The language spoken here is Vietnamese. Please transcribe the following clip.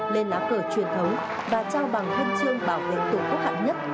lên lá cờ truyền thống và trao bằng khen chương bảo vệ tổ quốc hạng nhất